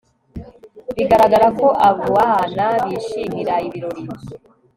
bigaragara ko abana bishimira ibirori